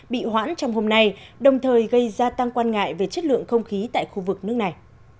bị hoãn trong hôm nay đồng thời gây ra tăng quan ngại về chất lượng không khí tại khu vực nước này